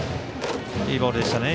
いいボールでしたね